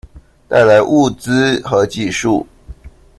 帶來物資和技術